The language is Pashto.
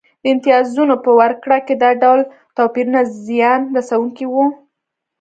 د امتیازونو په ورکړه کې دا ډول توپیرونه زیان رسونکي وو